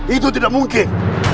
itu tidak mungkin